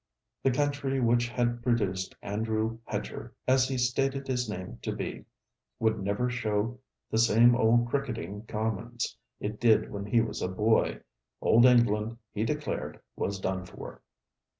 The country which had produced Andrew Hedger, as he stated his name to be, would never show the same old cricketing commons it did when he was a boy. Old England, he declared, was done for.